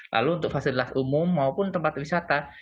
lalu untuk fasilitas umum maupun tempat wisata